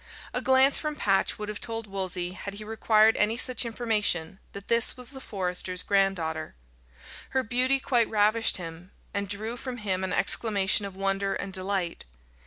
A glance from Patch would have told Wolsey, had he required any such information, that this was the forester's granddaughter. Her beauty quite ravished him, and drew from him an exclamation of wonder and delight.